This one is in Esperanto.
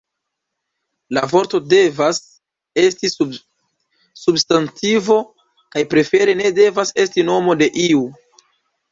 La vorto devas esti substantivo kaj prefere ne devas esti nomo de iu.